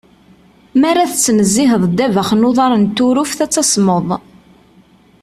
Mi ara tettnezziheḍ ddabex n uḍar n Turuft ad tasmeḍ.